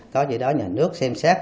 có gì đó nhà nước xem xét